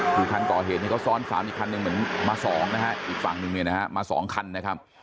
คือคันก่อเหตุนี้เขาซ้อน๓อีกคันหนึ่งเหมือนมา๒นะฮะอีกฝั่งหนึ่งเนี่ยนะฮะมา๒คันนะครับ